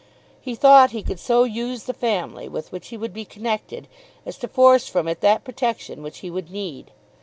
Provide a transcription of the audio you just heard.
He thought he could so use the family with which he would be connected as to force from it that protection which he would need.